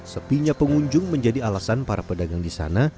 sepinya pengunjung menjadi alasan para pedagang di sana